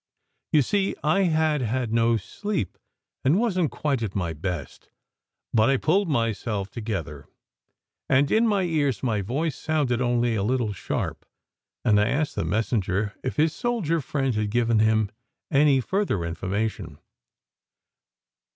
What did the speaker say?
You see, I had had no sleep and wasn t quite at my best. But I pulled myself together, and in my ears my voice sounded only a little sharp, as I asked the messenger if his soldier friend had given him any fur ther information.